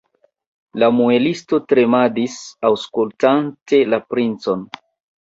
La muelisto tremadis, aŭskultante la princon.